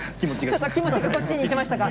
ちょっと気持ちがこっちにいってましたか。